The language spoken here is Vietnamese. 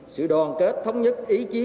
sự đoàn kết thống nhất ý chí